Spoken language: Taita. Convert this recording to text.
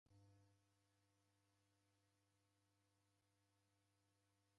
Sufuria yeka na mkokolo.